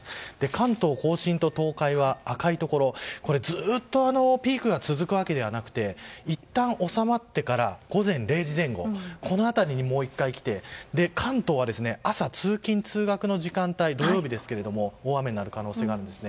関東・甲信と東海は赤いところずっとピークが続くわけではなくていったん収まってから午前０時前後この辺りにもう１回来て関東は朝、通勤・通学の時間帯土曜日ですが大雨になる可能性があるんです。